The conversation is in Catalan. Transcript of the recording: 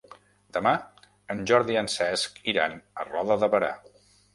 Demà en Jordi i en Cesc iran a Roda de Berà.